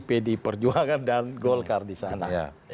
pdi perjuangan dan golkar di sana